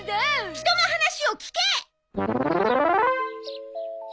人の話を聞け！